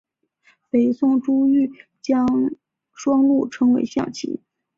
北宋朱彧将双陆称为象棋。